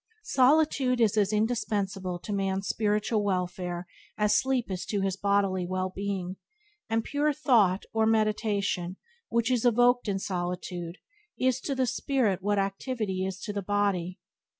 Solitude is as indispensable to man's spiritual welfare as sleep is to his bodily well being; and pure thought, or meditation, which is evoked in solitude, is to the spirit what activity is to the body.